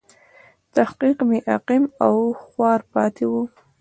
تحقیق مې عقیم او خوار پاتې و.